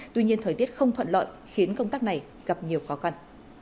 tuy nhiên thời tiết không thuận lợi khiến công tác này gặp nhiều khó khăn